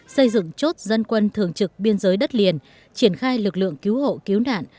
xây dựng chốt dân quân thường trực biên giới đất liền triển khai lực lượng cứu hộ cứu nạn